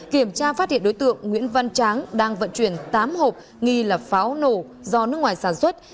kiểm tra phát hiện đối tượng nguyễn văn tráng đang vận chuyển tám hộp nghi là pháo nổ do nước ngoài sản xuất